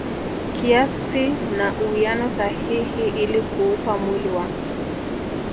kiasi na uwiano sahihi ili kuupa mwili wa